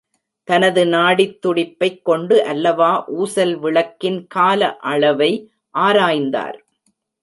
தனது நாடித் துடிப்பைக் கொண்டு அல்லவா ஊசல் விளக்கின் கால அளவை ஆராய்ந்தார்!